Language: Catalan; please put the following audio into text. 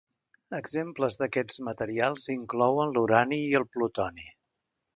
Exemples d'aquests materials inclouen l'urani i el plutoni.